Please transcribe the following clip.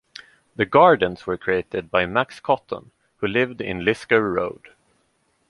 The gardens were created by Max Cotton, who lived in Lisgar Road.